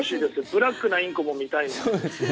ブラックなインコも見てみたいです。